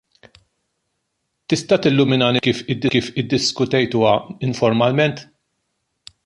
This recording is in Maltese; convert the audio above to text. Tista' tilluminani ftit kif iddiskutejtuha informalment?